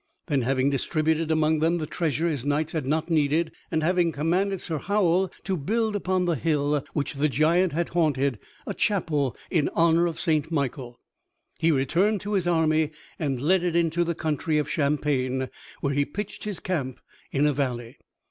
Then, having distributed among them the treasure his knights had not needed, and having commanded Sir Howel to build upon the hill which the giant had haunted a chapel in honor of St. Michael, he returned to his army, and led it into the country of Champagne, where he pitched his camp in a valley.